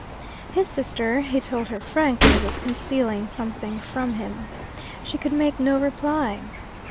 His sister he told her frankly was concealing something from him. She could make no reply.